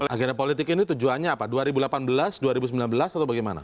agenda politik ini tujuannya apa dua ribu delapan belas dua ribu sembilan belas atau bagaimana